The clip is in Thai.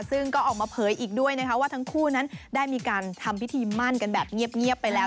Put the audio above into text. ซึ่งก็ออกมาเผยอีกด้วยนะคะว่าทั้งคู่นั้นได้มีการทำพิธีมั่นกันแบบเงียบไปแล้ว